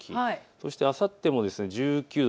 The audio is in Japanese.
そしてあさっても１９度。